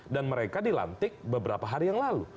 dan mereka dilantik beberapa hari yang lalu